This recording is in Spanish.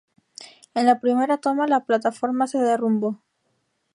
En la primera toma, la plataforma se derrumbó.